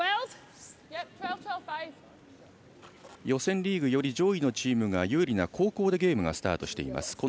予選リーグより上位のチームが有利な後攻でゲームがスタートしています。